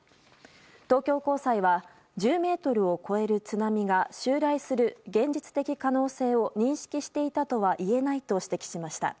東京高裁は１０ｍを超える津波が襲来する現実的可能性を認識していたとはいえないと指摘しました。